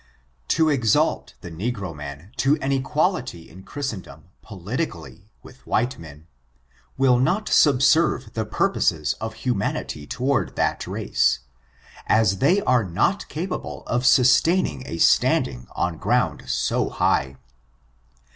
To exalt the negro race to an equality in Christen dom, politically, with white men, will not subserve the purposes of humanity toward that race, as they are not capable of sustaining a standing on ground so high.